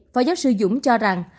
phó giáo sư dũng cho rằng